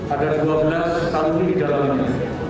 ada dua belas tahun di dalamnya